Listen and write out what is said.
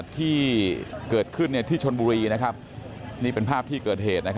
ที่เกิดขึ้นที่ชนบุรีนี่เป็นภาพที่เกิดเหตุ